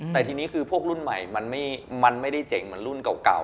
แต่ทีนี้คือพวกรุ่นใหม่มันไม่ได้เจ๋งเหมือนรุ่นเก่า